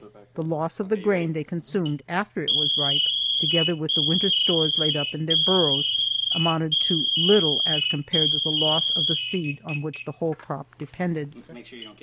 The loss of the grain they consumed after it was ripe, together with the winter stores laid up in their burrows, amounted to little as compared with the loss of the seed on which the whole crop depended.